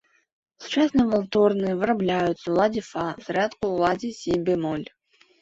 Сучасныя валторны вырабляюцца ў ладзе фа, зрэдку ў ладзе сі-бемоль.